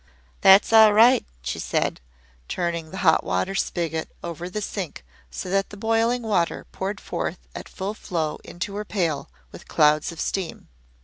"That's all right," she said, turning the hot water spigot over the sink so that the boiling water poured forth at full flow into her pail, with clouds of steam.